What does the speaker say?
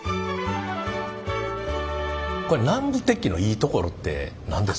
南部鉄器のいいところって何ですか？